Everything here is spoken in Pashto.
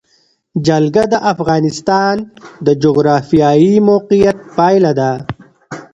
جلګه د افغانستان د جغرافیایي موقیعت پایله ده.